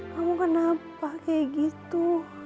kamu kenapa kayak gitu